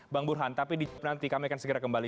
bang burhan tapi nanti kami akan segera kembali